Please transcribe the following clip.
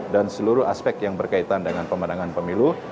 dan seluruh aspek yang berkaitan dengan pemandangan pemilu